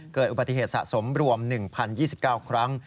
เกิดอุบัติเหตุสะสมรวม๑๐๒๙ครั้ง